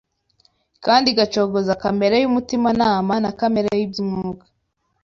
kandi igacogoza kamere y’umutimanama na kamere y’iby’umwuka.